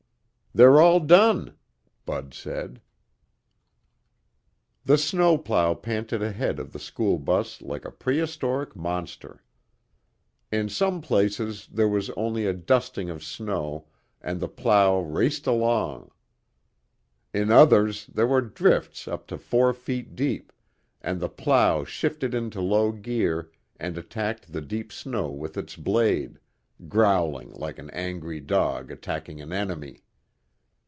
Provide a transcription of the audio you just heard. "They're all done," Bud said. The snowplow panted ahead of the school bus like a prehistoric monster. In some places there was only a dusting of snow and the plow raced along. In others there were drifts up to four feet deep, and the plow shifted into low gear and attacked the deep snow with its blade, growling like an angry dog attacking an enemy.